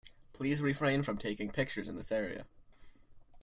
Please refrain from taking pictures in this area.